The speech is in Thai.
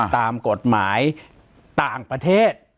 ตามกฎหมายต่างประเทศ